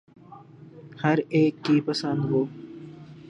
ہر ایک کی پسند و